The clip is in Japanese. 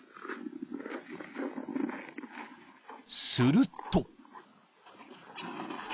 ［すると］